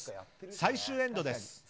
最終エンドです。